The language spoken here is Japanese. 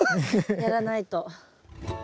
やらないと。